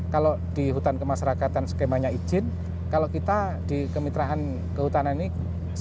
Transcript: kalau di hutan kemasyarakatan skemanya izin kalau kita di kemitraan kehutanan ini